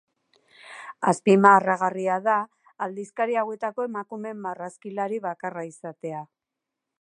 Azpimarragarria da aldizkari hauetako emakume marrazkilari bakarra izatea.